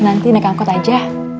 nanti naik angkot aja